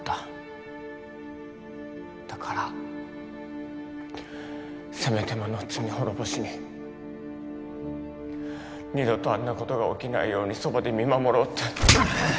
だからせめてもの罪滅ぼしに二度とあんなことが起きないようにそばで見守ろうって。うっ！